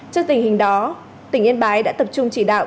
trước tình hình đó tỉnh yên bái đã tập trung chỉ đạo